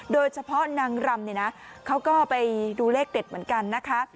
โดยเฉพาะนางรำเนี่ยนะเขาก็ไปดูเลขเด็ดเหมือนกันนะคะ